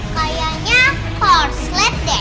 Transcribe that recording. kayaknya korslet deh